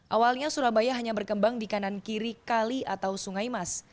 awalnya surabaya hanya berkembang di kanan kiri kali atau sungai mas